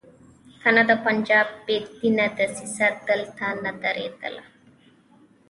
کنه د پنجاب بې دینه دسیسه دلته نه درېدله.